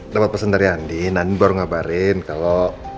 dapet pesen dari andi nandi baru ngabarin kalo